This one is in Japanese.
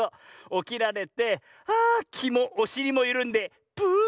おきられてあきもおしりもゆるんでプーッ。